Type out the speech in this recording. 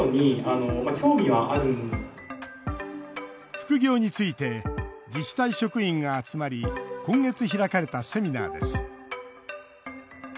副業について自治体職員が集まり今月開かれたセミナーです